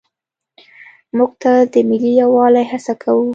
موږ تل د ملي یووالي هڅه کوو.